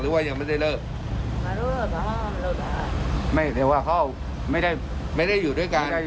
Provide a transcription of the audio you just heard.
ว่ายังไม่ได้เลิกอ๋อไม่แต่ว่าเขาไม่ได้ไม่ได้อยู่ด้วยกัน